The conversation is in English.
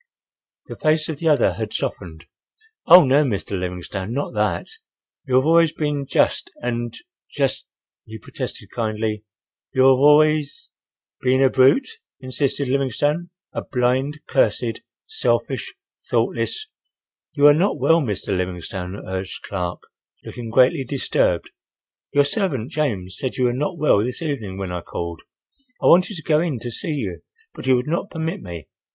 The face of the other had softened. "Oh, no, Mr. Livingstone, not that. You have always been just—and—just;" he protested kindly. "You have always—" —"Been a brute," insisted Livingstone, "a blind, cursed, selfish, thoughtless—" "You are not well, Mr. Livingstone," urged Clark, looking greatly disturbed. "Your servant, James, said you were not well this evening when I called. I wanted to go in to see you, but he would not permit me.